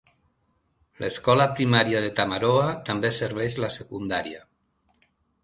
L'escola primària de Tamaroa també serveix la secundària.